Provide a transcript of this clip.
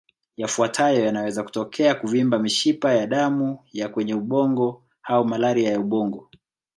Yafuatayo yanaweza kutokea kuvimba mishipa ya damu ya kwenye ubongo au malaria ya ubongo